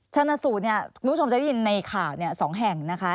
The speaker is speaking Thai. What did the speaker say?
ชนะสูตรเนี่ยคุณผู้ชมจะได้ยินในข่าว๒แห่งนะคะ